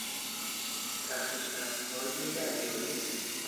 ته نشستهای دریایی